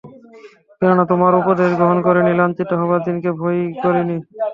কেননা তোমরা উপদেশ গ্রহণ করনি, লাঞ্ছিত হবার দিনকে ভয় করনি।